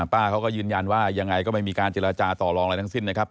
ป้าเขาก็ยืนยันว่ายังไงก็ไม่มีการเจรจาต่อลองอะไรทั้งสิ้นนะครับ